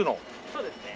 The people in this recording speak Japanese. そうですね。